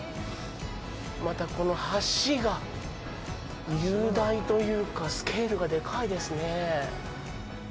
また、この橋が雄大というかスケールがでかいですね。